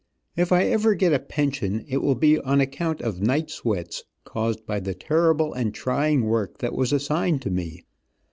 If I ever get a pension it will be on account of night sweats, caused by the terrible and trying work that was assigned to me.